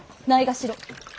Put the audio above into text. ないがしろ。